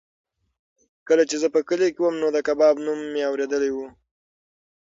کله چې زه په کلي کې وم نو د کباب نوم مې اورېدلی و.